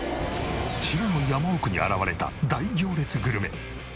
千葉の山奥に現れた大行列グルメ。